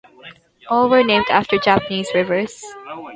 All were named after Japanese rivers.